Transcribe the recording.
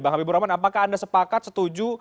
bang habibur rahman apakah anda sepakat setuju